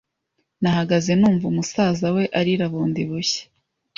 Nahagaze numva umusaza we arira bundi bushya